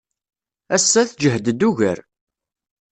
Ass-a, tjehded ugar.